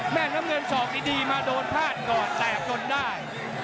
น้ำเงินสอกดีมาโดนพลาดก่อนแตกจนได้